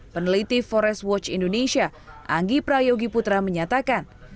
peneliti forest watch indonesia anggi prayogi putra menyatakan